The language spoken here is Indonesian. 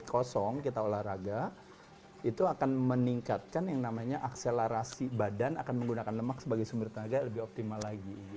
kosong kita olahraga itu akan meningkatkan yang namanya akselerasi badan akan menggunakan lemak sebagai sumber tenaga lebih optimal lagi